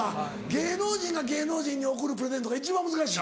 芸能人が芸能人に贈るプレゼントが一番難しい。